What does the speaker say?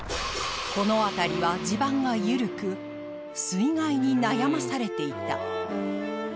この辺りは地盤がゆるく水害に悩まされていた